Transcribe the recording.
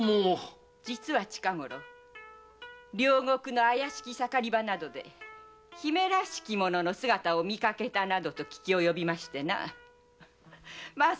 実は近ごろ両国の怪しき盛り場などで姫らしき者の姿を見かけたなどと聞きおよびましてまさかと思うたが。